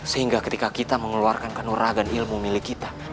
sehingga ketika kita mengeluarkan kenoragan ilmu milik kita